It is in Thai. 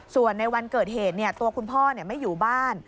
ส่วนในวันเกิดเหตุตัวคุณพ่อไม่อยู่บ้าน